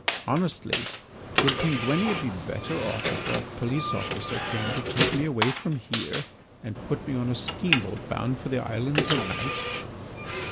Honestly, would Penguinia be better off if a police officer came to take me away from here and put me on a steamboat bound for the Islands of Night?"